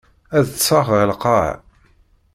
Ad ṭṭseɣ ɣer lqaεa.